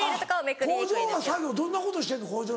工場の作業どんなことしてんの？